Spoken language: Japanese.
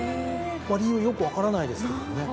理由よく分からないですけどね。